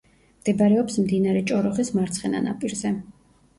მდებარეობს მდინარე ჭოროხის მარცხენა ნაპირზე.